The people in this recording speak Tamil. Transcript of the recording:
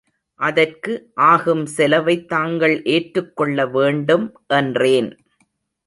அதற்கு ஆகும் செலவைத் தாங்கள் ஏற்றுக் கொள்ள வேண்டும் என்றேன்.